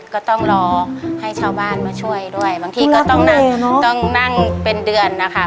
ก็ต้องรอให้ชาวบ้านมาช่วยด้วยบางทีก็ต้องนั่งต้องนั่งเป็นเดือนนะคะ